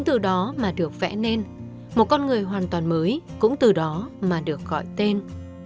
sau đó mà được vẽ nên một con người hoàn toàn mới từ đó mà được gọi tên